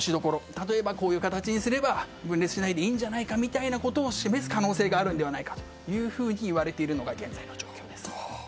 例えば、こういう形にすれば分裂しないでいいんじゃないかということを示す可能性があるのではないかと言われているのが現在の状況です。